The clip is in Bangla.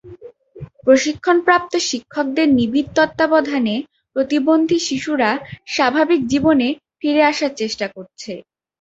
প্রশিক্ষণপ্রাপ্ত শিক্ষকদের নিবিড় তত্ত্বাবধানে প্রতিবন্ধী শিশুরা স্বাভাবিক জীবনে ফিরে আসার চেষ্টা করছে।